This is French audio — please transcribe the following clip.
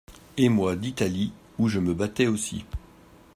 Et moi d’Italie où je me battais aussi.